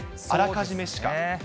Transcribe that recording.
あらかじめしか。